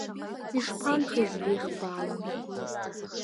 Ишԥанхеи зегь еихбаалан!